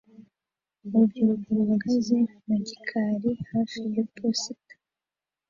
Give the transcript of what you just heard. Urubyiruko ruhagaze mu gikari hafi ya posita